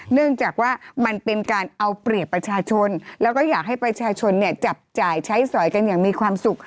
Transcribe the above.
เนื่องจากว่ามันเป็นการเอาเปรียบประชาชนแล้วก็อยากให้ประชาชนเนี่ยจับจ่ายใช้สอยกันอย่างมีความสุข